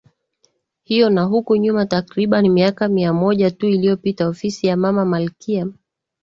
hiyoNa huku nyuma takriban miaka mia moja tu iliyopita Ofisi ya Mama Malkia